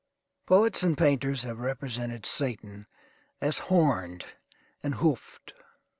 Poets and painters have represented Satan as horned and hoofed.